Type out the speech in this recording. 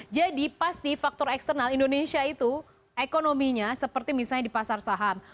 jadi pasti faktor eksternal indonesia itu ekonominya seperti misalnya di pasar saham